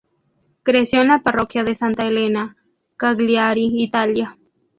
Creció en la parroquia de Santa Elena, Cagliari, Italia.